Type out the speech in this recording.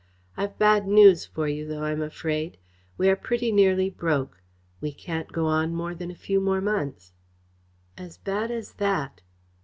I've bad news for you, though, I'm afraid. We are pretty nearly broke. We can't go on more than a few more months." "As bad as that!"